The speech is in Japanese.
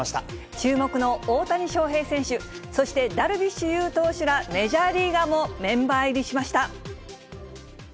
注目の大谷翔平選手、そしてダルビッシュ有投手らメジャーリーガーもメンバー入りしました。